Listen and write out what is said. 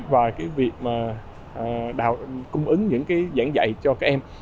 và việc cung ứng những giảng dạy cho các em